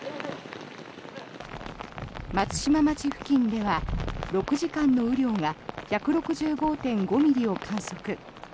松島町付近では６時間の雨量が１６５．５ミリを観測。